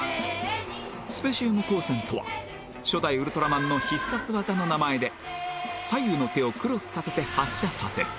スペシウム光線とは初代ウルトラマンの必殺技の名前で左右の手をクロスさせて発射させる